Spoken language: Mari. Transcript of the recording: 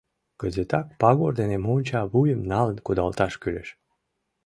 — Кызытак пагор дене монча вуйым налын кудалташ кӱлеш!